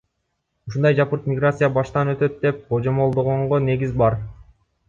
Ушундай жапырт миграция баштан өтөт деп божомолдогонго негиз бар.